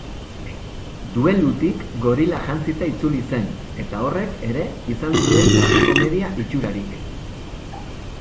Duelutik gorila jantzita itzuli zen, eta horrek ere izan zuen tragikomedia itxurarik.